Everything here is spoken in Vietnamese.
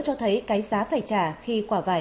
cho thấy cái giá phải trả khi quả vải